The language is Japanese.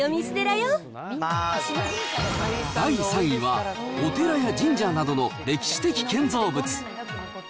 第３位は、お寺や神社などの歴史的建造物。